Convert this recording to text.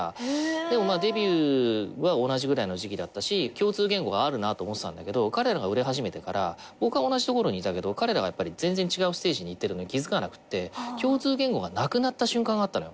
でもデビューは同じぐらいの時期だったし共通言語があるなと思ってたんだけど彼らが売れ始めてから僕は同じところにいたけど彼らは全然違うステージに行ってたのに気付かなくて共通言語がなくなった瞬間があったのよ。